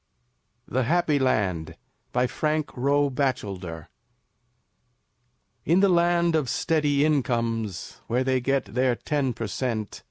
THE HAPPY LAND BY FRANK ROE BATCHELDER In the Land of Steady Incomes, Where they get their ten per cent.